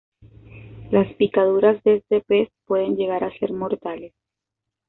Las picaduras de este pez pueden llegar a ser mortales.